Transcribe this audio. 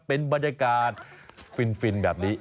เป็นบรรยากาศฟินแบบนี้